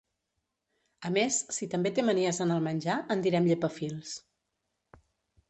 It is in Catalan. A més, si també té manies en el menjar, en direm llepafils.